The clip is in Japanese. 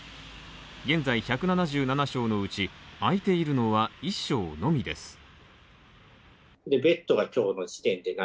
現在１７７床のうち空いているのは１床のみです。